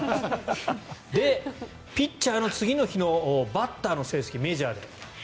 で、ピッチャーの次の日のバッターの成績メジャーで。